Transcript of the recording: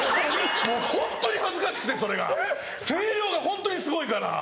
ホントに恥ずかしくてそれが声量がホントにすごいから。